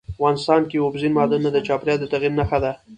افغانستان کې اوبزین معدنونه د چاپېریال د تغیر نښه ده.